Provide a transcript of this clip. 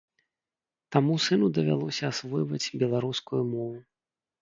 Таму сыну давялося асвойваць беларускую мову.